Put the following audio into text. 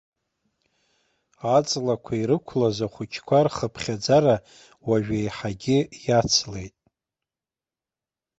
Аҵлақәа ирықәлаз ахәыҷқәа рхыԥхьаӡара уажә еиҳагьы иацлеит.